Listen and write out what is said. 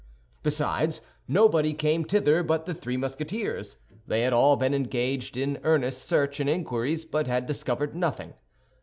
Besides, nobody came thither but the three Musketeers; they had all been engaged in earnest search and inquiries, but had discovered nothing.